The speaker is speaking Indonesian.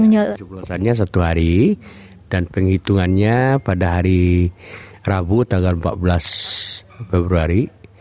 pencuplusannya satu hari dan penghitungannya pada hari rabu tanggal empat belas februari